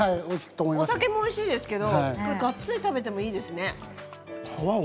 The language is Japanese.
お酒もおいしいですけどがっつり食べてもいいですね。